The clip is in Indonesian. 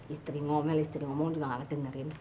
istri ngomel istri ngomong juga nggak kedengerin